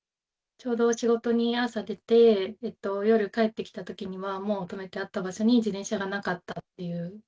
ちょうど仕事に朝出て、夜帰ってきたときにはもう止めてあった場所に自転車がなかったっていう。